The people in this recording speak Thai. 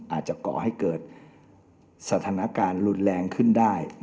ก่อให้เกิดสถานการณ์รุนแรงขึ้นได้